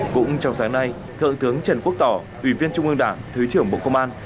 cũng trong sáng nay thợ thướng trần quốc tỏ ủy viên trung ương đảng thứ trưởng bộ công an